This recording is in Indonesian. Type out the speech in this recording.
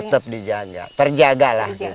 tetap dijaga terjagalah gitu